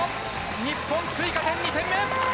日本、追加点２点目。